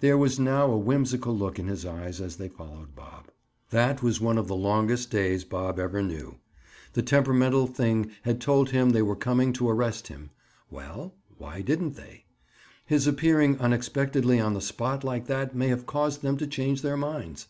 There was now a whimsical look in his eyes as they followed Bob. That was one of the longest days Bob ever knew. The temperamental thing had told him they were coming to arrest him. Well, why didn't they? His appearing unexpectedly on the spot like that may have caused them to change their minds.